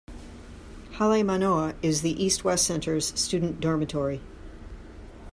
Hale Manoa is the East-West Center's student dormitory.